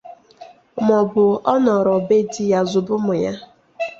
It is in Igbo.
maọbụ ọ nọrọ be di ya zụba ụmụ ya